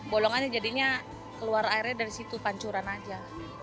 bolongannya jadinya keluar airnya dari situ pancuran aja